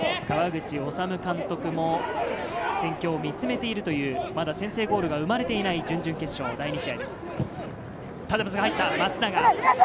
川口修監督も戦況を見つめているというまだ先制ゴールが生まれていない準々決勝第２試合です。